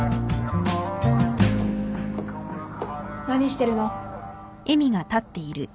・何してるの。